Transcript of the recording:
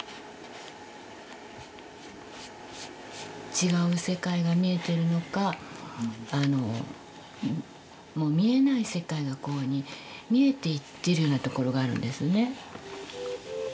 違う世界が見えてるのかもう見えない世界がこういうふうに見えていってるようなところがあるんですね。